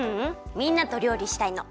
みんなとりょうりしたいの！